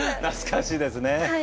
懐かしいですね。